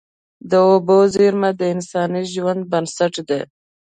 د اوبو زیرمې د انساني ژوند بنسټ دي.